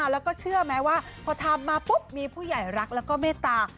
แล้วก็เชื่อไหมว่าพอทำมาปุ๊บมีผู้ใหญ่รักแล้วก็เมตตา